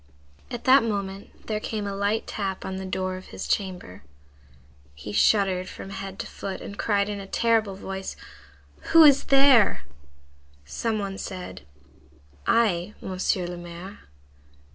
At that moment there came a light tap on the door of his chamber. He shuddered from head to foot, and cried in a terrible voice:— "Who is there?" Some one said:— "I, Monsieur le Maire."